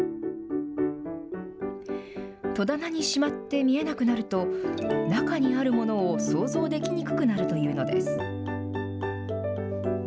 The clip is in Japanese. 戸棚にしまって見えなくなると、中にあるものを想像できにくくなるというのです。